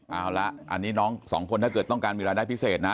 เอาละอันนี้น้องสองคนถ้าเกิดต้องการมีรายได้พิเศษนะ